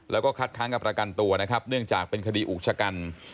และคัดค้างกับประกันตัวเนื่องจากเป็นคดีอุกชกรรม